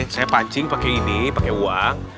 saya pancing pakai ini pakai uang